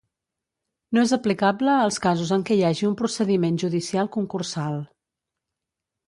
No és aplicable als casos en què hi hagi un procediment judicial concursal.